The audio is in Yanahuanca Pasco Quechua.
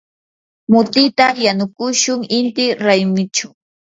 mutita yanukushun inti raymichaw.